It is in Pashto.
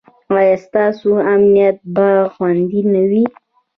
ایا ستاسو امنیت به خوندي نه وي؟